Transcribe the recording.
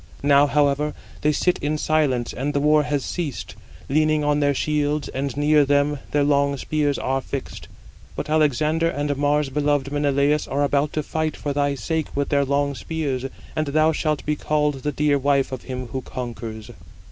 Now, however, they sit in silence (and the war has ceased), leaning on their shields, and near them their long spears are fixed. But Alexander and Mars beloved Menelaus are about to fight for thy sake with their long spears, and thou shalt be called the dear wife of him who conquers."